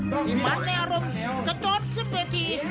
ทิศเป้ในอารมณ์กระโจนขึ้นเพดี